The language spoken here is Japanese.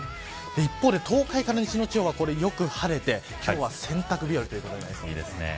一方で東海から西の地方は今日は、よく晴れて今日は洗濯日和となりそうです。